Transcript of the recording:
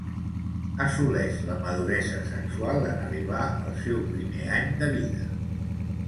Assoleix la maduresa sexual en arribar al seu primer any de vida.